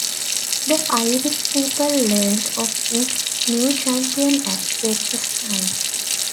The Irish people learned of its new champion at breakfast time.